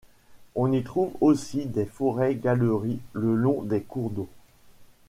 On y trouve aussi des forêts galeries le long des cours d'eau.